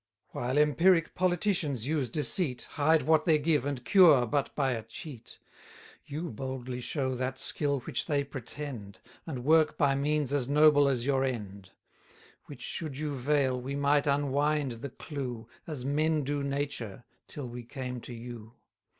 While empiric politicians use deceit, Hide what they give, and cure but by a cheat; You boldly show that skill which they pretend, And work by means as noble as your end: 70 Which should you veil, we might unwind the clew, As men do nature, till we came to you.